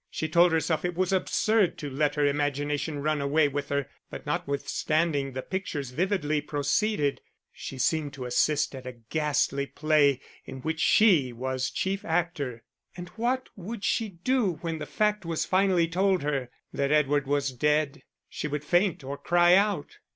She told herself it was absurd to let her imagination run away with her; but, notwithstanding, the pictures vividly proceeded: she seemed to assist at a ghastly play in which she was chief actor. And what would she do when the fact was finally told her that Edward was dead? She would faint or cry out.